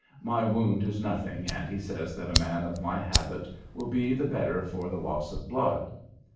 My wound is nothing, and he says that a man of my habit will be the better for the loss of blood.